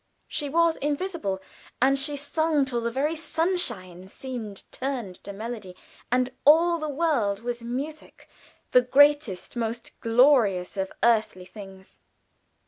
She was invisible, and she sung till the very sunshine seemed turned to melody, and all the world was music the greatest, most glorious of earthly things.